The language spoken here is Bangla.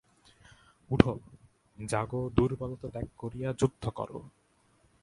উঠ, জাগো, দুর্বলতা ত্যাগ করিয়া যুদ্ধ কর।